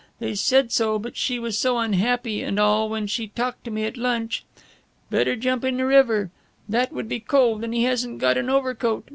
They said so, but she was so unhappy and all when she talked to me at lunch. "'Better jump in the river.' That would be cold and he hasn't got an overcoat.